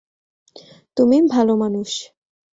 তুমি ভালো মানুষ।